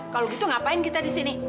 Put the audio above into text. kalau gitu ngapain kita di sini